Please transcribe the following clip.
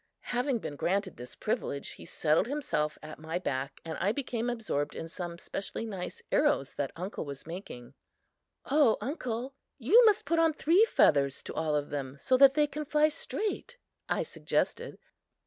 Having been granted this privilege, he settled himself at my back and I became absorbed in some specially nice arrows that uncle was making. "O, uncle, you must put on three feathers to all of them so that they can fly straight," I suggested.